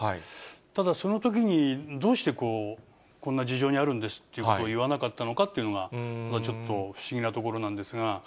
ただ、そのときにどうしてこんな事情にあるんですっていうことを言わなかったのかというのが、ちょっと不思議なところなんですが。